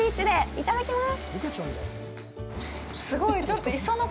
いただきます。